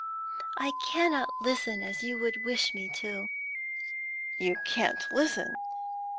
I cannot listen as you would wish me to.' 'You can't listen?